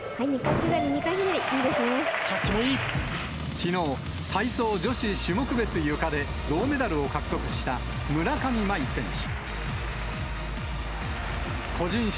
きのう、体操女子種目別ゆかで、銅メダルを獲得した、村上茉愛選手。